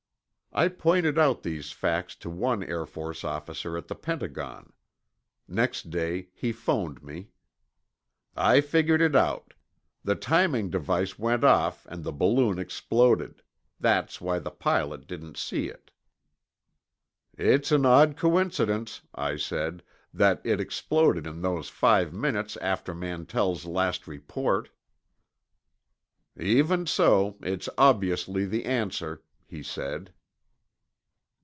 I pointed out these facts to one Air Force officer at the Pentagon. Next day he phoned me: "I figured it out. The timing device went off and the balloon exploded. That's why the pilot didn't see it." "It's an odd coincidence," I said, "that it exploded in those five minutes after Mantell's last report." "Even so, it's obviously the answer," he said.